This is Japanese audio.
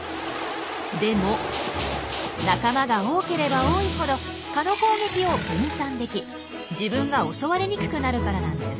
でも仲間が多ければ多いほど蚊の攻撃を分散でき自分が襲われにくくなるからなんです。